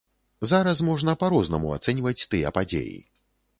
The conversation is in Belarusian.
Зараз можна па-рознаму ацэньваць тыя падзеі.